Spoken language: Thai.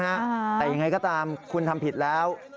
แต่ยังไงก็ตามคุณทำผิดแล้ว